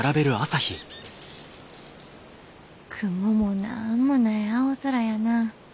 雲もなんもない青空やな。